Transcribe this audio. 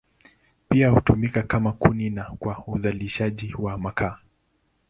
Pia hutumika kama kuni na kwa uzalishaji wa makaa.